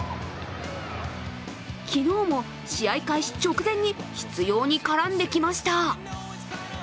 昨日も、試合開始直前に執ように絡んできました。